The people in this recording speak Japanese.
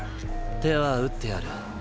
手は打ってある。